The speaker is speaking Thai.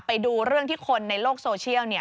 ไปดูเรื่องที่คนในโลกโซเชียล